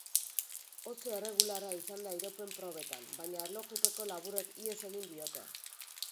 Oso erregularra izan da iraupen probetan, baina erlojupeko laburrek ihes egin diote.